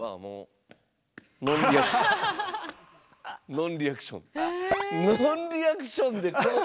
ノンリアクション。